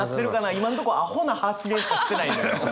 今んとこアホな発言しかしてないのよ。